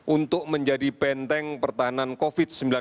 untuk menjadi benteng pertahanan covid sembilan belas